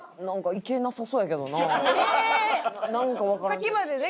さっきまでね